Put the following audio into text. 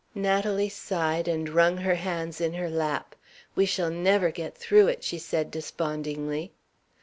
Natalie sighed, and wrung her hands in her lap. "We shall never get through it," she said, despondingly.